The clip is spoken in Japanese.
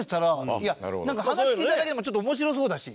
いやなんか話聞いただけでもちょっと面白そうだし。